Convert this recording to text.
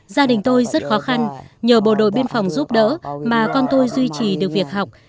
gia đình tôi rất khó khăn nhờ bộ đội biên phòng giúp đỡ mà con tôi duy trì được việc học